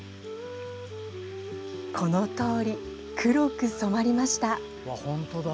このとおり、黒く染まりました。